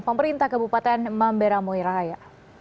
pemerintah kabupaten mamberamuraya